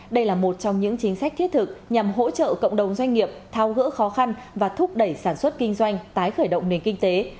đây là một trong những chính sách thiết thực nhằm hỗ trợ cộng đồng doanh nghiệp thao gỡ khó khăn và thúc đẩy sản xuất kinh doanh tái khởi động nền kinh tế